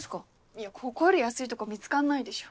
いやここより安いとこ見つかんないでしょ。